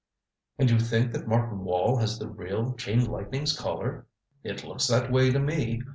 "And you think that Martin Wall has the real Chain Lightning's Collar?" "It looks that way to me.